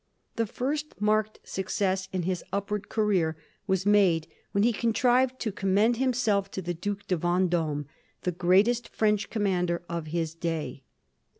The first marked success in his upward career was made when he contrived to commend himself to the Due de Vend6me, the greatest French commander of his day.